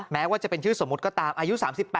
แม้ว่าจะเป็นชื่อสมมุติก็ตามอายุ๓๘